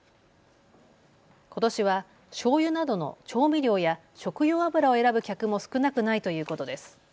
ことしはしょうゆなどの調味料や食用油を選ぶ客も少なくないということです。